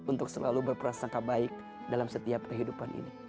untuk selalu berperasaan kebaik dalam setiap kehidupan ini